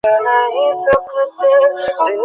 হুজুর, আপনি কাগজের কথা বলছেন, আর আমি মানুষের।